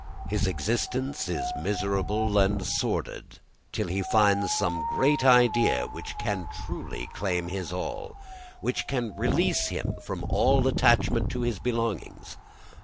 His existence is miserable and sordid till he finds some great idea which can truly claim his all, which can release him from all attachment to his belongings.